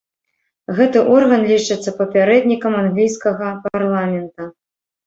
Гэты орган лічыцца папярэднікам англійскага парламента.